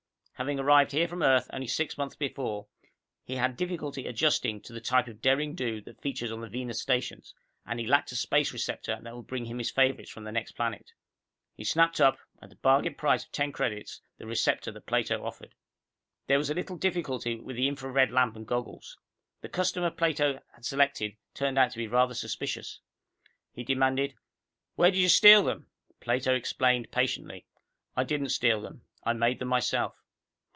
Having arrived here from Earth only six months before, he had difficulty adjusting to the type of derring do featured on the Venus stations, and he lacked a space receptor that would bring him his favorites from the next planet. He snapped up, at the bargain price of ten credits, the receptor that Plato offered. There was a little difficulty with the infra red lamp and goggles. The customer Plato had selected turned out to be rather suspicious. He demanded, "Where did you steal them?" Plato explained patiently, "I didn't steal them. I made them myself."